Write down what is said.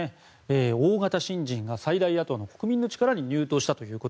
大型新人が最大野党の国民の力に入党したと。